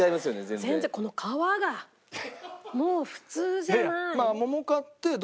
全然この皮がもう普通じゃない。